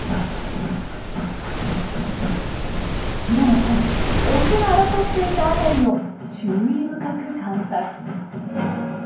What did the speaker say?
平野さんオスが争っていた辺りを注意深く観察。